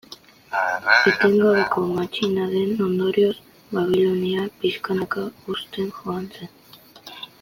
Etengabeko matxinaden ondorioz, Babilonia, pixkanaka, husten joan zen.